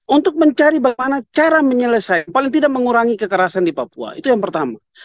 untuk mencari bagaimana cara menyelesaikan paling tidak mengurangi kekerasan di papua itu yang pertama